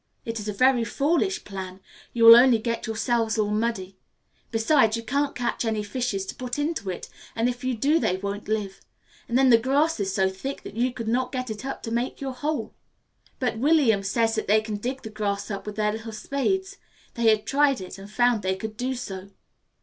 It is a very foolish plan. You will only get yourselves all muddy. Besides, you can't catch any fishes to put into it, and if you do, they won't live. And then the grass is so thick that you could not get it up to make your hole." But William says that they can dig the grass up with their little spades. They had tried it, and found that they could do so.